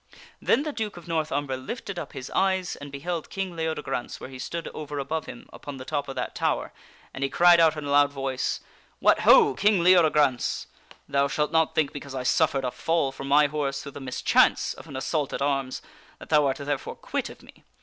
Then the Duke of North Umber lifted up his eyes and beheld King Leodegrance where he stood over above him upon the top of that tower, and he cried out in a loud voice: " What ho ! King Leodegrance! ,f#^ Thou shalt not think because I suffered a fall from my horse isswth a second through the mischance of an assault at arms, that thou art *' ge ' therefore quit of me.